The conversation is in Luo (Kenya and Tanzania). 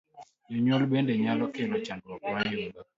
Jonyuol bende nyalo kelo chandruok ma yudo